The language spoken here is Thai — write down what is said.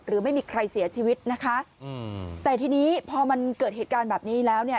หรือไม่มีใครเสียชีวิตนะคะอืมแต่ทีนี้พอมันเกิดเหตุการณ์แบบนี้แล้วเนี่ย